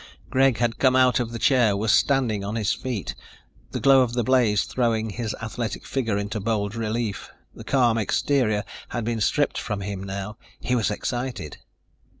Greg had come out of the chair, was standing on his feet, the glow of the blaze throwing his athletic figure into bold relief. That calm exterior had been stripped from him now. He was excited.